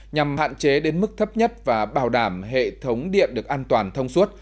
nhằm hạn chế đến mức thấp nhất và bảo đảm hệ thống điện được an toàn thông suốt